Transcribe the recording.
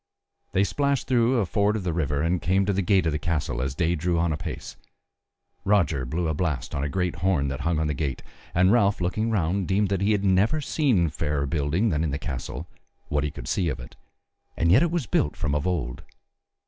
They splashed through a ford of the river and came to the gate of the castle as day drew on apace; Roger blew a blast on a great horn that hung on the gate, and Ralph looking round deemed he had never seen fairer building than in the castle, what he could see of it, and yet it was built from of old.